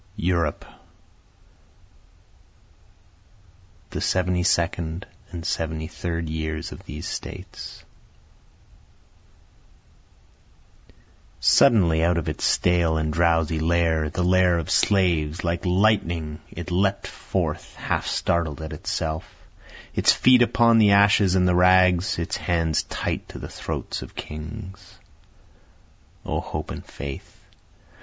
Europe [The 72d and 73d Years of These States] Suddenly out of its stale and drowsy lair, the lair of slaves, Like lightning it le'pt forth half startled at itself, Its feet upon the ashes and the rags, its hands tight to the throats of kings. O hope and faith!